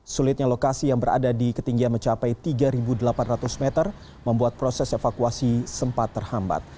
sulitnya lokasi yang berada di ketinggian mencapai tiga delapan ratus meter membuat proses evakuasi sempat terhambat